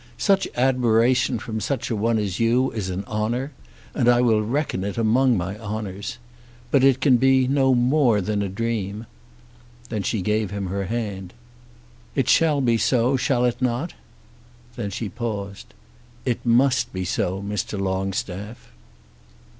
Such admiration from such a one as you is an honour, and I will reckon it among my honours. But it can be no more than a dream." Then she gave him her hand. "It shall be so; shall it not?" Then she paused. "It must be so, Mr. Longstaff."